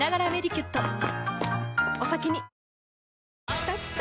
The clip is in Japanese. きたきた！